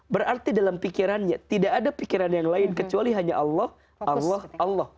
berarti dalam pikirannya tidak ada pikiran yang lain kecuali hanya allah allah allah